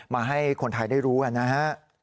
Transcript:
มาให้คนไทยได้รู้นะฮะ